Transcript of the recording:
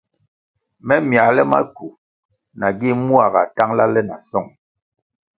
Me myale mackwu nagi mua gā tangʼla le na song.